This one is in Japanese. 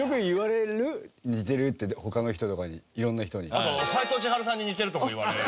あと斎藤ちはるさんに似てるとかも言われる。